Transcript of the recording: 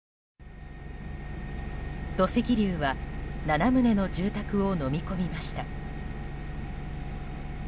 土石流は７棟の住宅をのみ込みました。